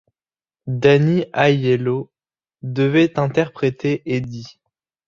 Danny Aiello devait interpréter Eddie.